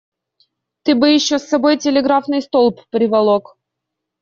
Ты бы еще с собой телеграфный столб приволок.